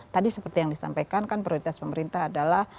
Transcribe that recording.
tadi seperti yang disampaikan kan prioritas pemerintah adalah